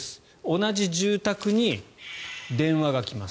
同じ住宅に電話が来ます。